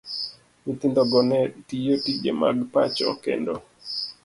Nyithindogo ne tiyo tije mag pacho, kendo